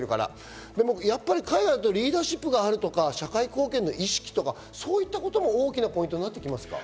でもやっぱり海外だとリーダーシップがあるとか、社会貢献意識とか、そういったことも大きなポイントになってきますか？